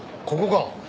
ここか？